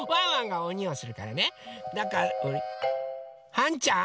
はんちゃん？